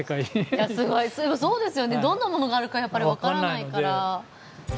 そうですよねどんなものがあるかやっぱり分からないから。